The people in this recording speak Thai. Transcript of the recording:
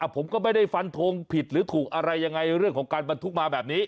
ผมก็ไม่ได้ฟันทงผิดหรือถูกอะไรยังไงเรื่องของการบรรทุกมาแบบนี้